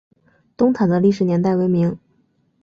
东塔的历史年代为明。